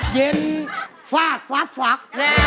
เย็นฟาดฟาดฟัก